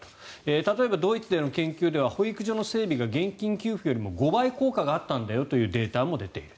例えばドイツでの研究では保育所の整備が、現金給付よりも５倍効果があったんだよというデータも出ている。